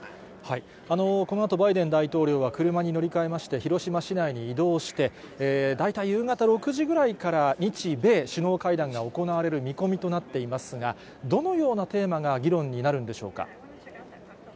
このあと、バイデン大統領は車に乗り換えまして、広島市内に移動して、大体夕方６時ぐらいから、日米首脳会談が行われる見込みとなっていますが、どのようなテーマが議論になるんでしょうか。